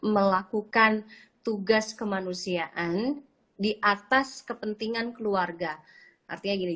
melakukan tugas kemanusiaan di atas kepentingan keluarga artinya gini